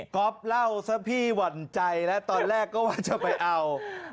๊อฟเล่าซะพี่หวั่นใจแล้วตอนแรกก็ว่าจะไปเอา